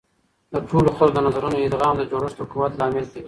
د ټولو خلکو د نظرونو ادغام د جوړښت د قوت لامل کیږي.